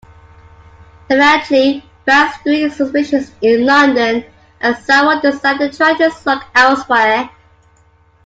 Eventually banks grew suspicious in London and Saward decided to try his luck elsewhere.